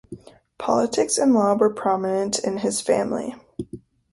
Politics and the law were prominent in his family.